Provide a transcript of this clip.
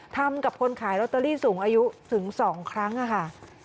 ทำกับคนขายลอตเตอรี่สูงอายุถึง๒ครั้งค่ะ